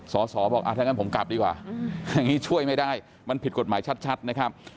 สอสอบอกถ้างั้นผมกลับดีกว่าอย่างนี้ช่วยไม่ได้มันผิดกฎหมายชัดนะครับ